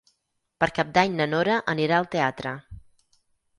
Per Cap d'Any na Nora anirà al teatre.